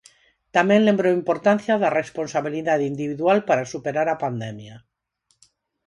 Tamén lembrou a importancia da responsabilidade individual para superar a pandemia.